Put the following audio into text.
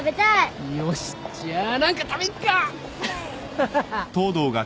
ハハハ